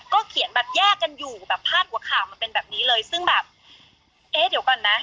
เขียนแบบแยกกันอยู่แบบพาดหัวข่าวมันเป็นแบบนี้เลยซึ่งแบบเอ๊ะเดี๋ยวก่อนนะ